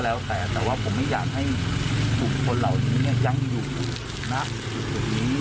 แล้วแต่แต่ว่าผมไม่อยากให้บุคคลเหล่านี้ยังอยู่ณจุดนี้